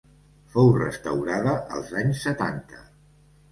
Fou restaurada als anys setanta.